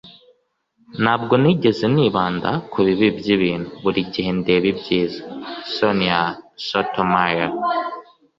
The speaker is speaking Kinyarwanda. ntabwo nigeze, nibanda ku bibi by'ibintu. buri gihe ndeba ibyiza. - sonia sotomayor